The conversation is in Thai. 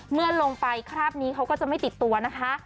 เมื่อลงไปคราบนี้เขาก็จะไม่ติดตัวนะคะ